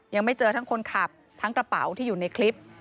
ยังไม่เจอทั้งคนขับทั้งกระเป๋าที่อยู่ในคลิป